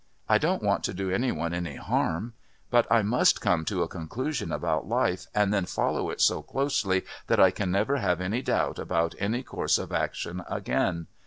I don't want to do any one any harm, but I must come to a conclusion about life and then follow it so closely that I can never have any doubt about any course of action again.